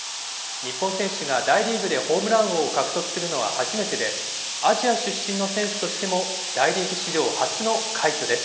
日本選手が大リーグでホームラン王を獲得するのは初めてで、アジア出身の選手としても大リーグ史上初の快挙です。